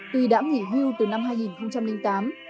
tuy đã nghỉ hưu từ năm hai nghìn tám